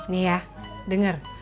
nih ya denger